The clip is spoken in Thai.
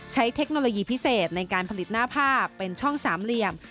เทคโนโลยีพิเศษในการผลิตหน้าผ้าเป็นช่องสามเหลี่ยม